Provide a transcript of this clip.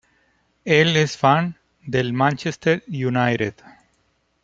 Él es fan del Manchester United.